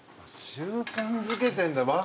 習慣づけてるんだ。